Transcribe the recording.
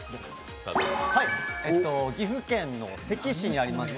岐阜県の関市にあります